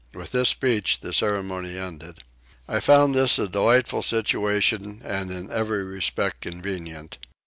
With this speech the ceremony ended. I found this a delightful situation and in every respect convenient.